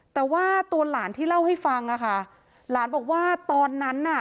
แต่ว่าตัวหลานที่เล่าให้ฟังอ่ะค่ะหลานบอกว่าตอนนั้นน่ะ